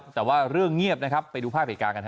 แต่ว่าเรื่องเงียบนะครับไปดูภาพเหตุการณ์กันฮ